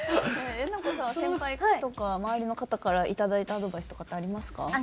えなこさんは先輩とか周りの方からいただいたアドバイスとかってありますか？